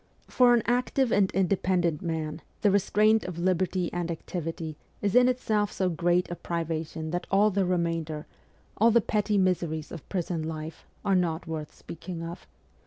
For an active and independent man the restraint of liberty and activity is in itself so great a privation that all the remainder, all the petty miseries of prison life, are not worth speaking of.